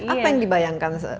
apa yang dibayangkan